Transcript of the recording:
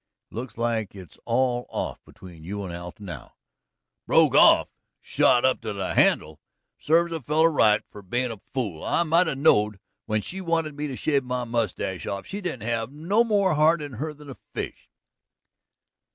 "It looks like it's all off between you and Alta now." "Broke off, short up to the handle. Serves a feller right for bein' a fool. I might 'a' knowed when she wanted me to shave my mustache off she didn't have no more heart in her than a fish."